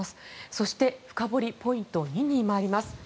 そして深掘りポイント２に参ります。